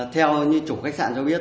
theo như chủ khách sạn cho biết